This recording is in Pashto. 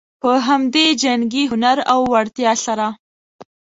په همدې جنګي هنر او وړتیا سره.